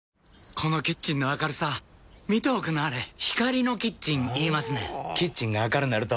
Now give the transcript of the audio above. このキッチンの明るさ見ておくんなはれ光のキッチン言いますねんほぉキッチンが明るなると・・・